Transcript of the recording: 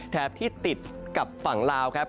ที่ติดกับฝั่งลาวครับ